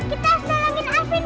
kita harus dalangin avin